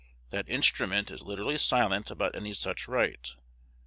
That instrument is literally silent about any such right.